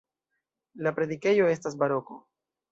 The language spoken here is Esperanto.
La predikejo estas baroko.